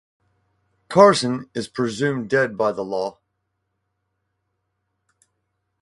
Carson is presumed dead by the law.